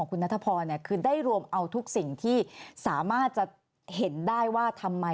คุณนัทพรคือได้รวมเอาทุกสิ่งที่สามารถจะเห็นได้ว่าทำไม